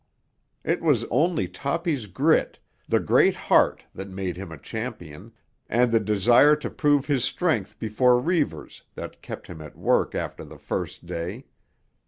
It was only Toppy's grit—the "great heart" that had made him a champion—and the desire to prove his strength before Reivers that kept him at work after the first day.